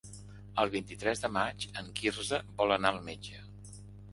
El vint-i-tres de maig en Quirze vol anar al metge.